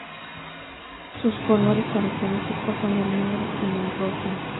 Sus colores característicos son el negro y el rojo.